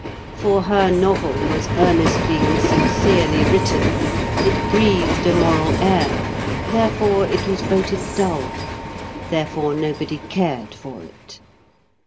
For her novel was earnestly and sincerely written; it breathed a moral air, therefore it was voted dull; therefore nobody cared for it.